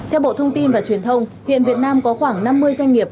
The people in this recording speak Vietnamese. theo bộ thông tin và truyền thông hiện việt nam có khoảng năm mươi doanh nghiệp